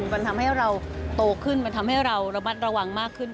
มันทำให้เราโตขึ้นมันทำให้เราระมัดระวังมากขึ้น